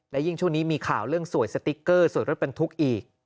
และยิ่งช่วงนี้มีข่าวเรื่องสวยสติ๊กเกอร์สวยรถบรรทุกอีก